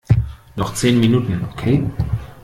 Noch zehn Minuten, okay?